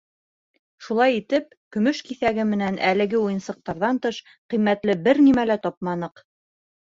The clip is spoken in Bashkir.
Шулай итеп, көмөш киҫәге менән әлеге уйынсыҡтарҙан тыш ҡиммәтле бер нимә лә тапманыҡ.